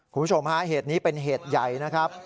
คุณผู้ชมฮะเหตุนี้เป็นเหตุใหญ่นะครับ